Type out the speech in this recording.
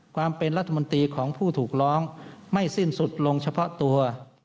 ความเป็นรัฐมนตรีของผู้ถูกร้องไม่สิ้นสุดลงเฉพาะตัว